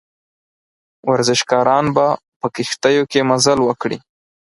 ورزشکاران به په کښتیو کې مزل وکړي.